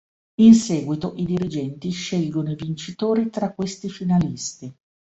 In seguito, i dirigenti scelgono i vincitori tra questi finalisti.